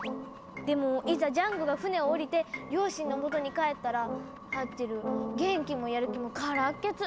でもいざジャンゴが船を下りて両親のもとに帰ったらハッチェル元気もやる気もからっけつ。